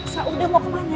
sa udah mau kemana